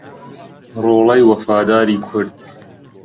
ڕۆڵەی وەفاداری کورد